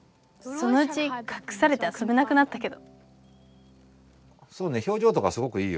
「そのうちかくされてあそべなくなったけど」。